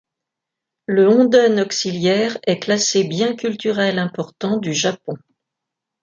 Le honden auxiliaire est classé bien culturel important du Japon.